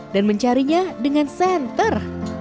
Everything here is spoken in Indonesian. dan mencarinya dengan senter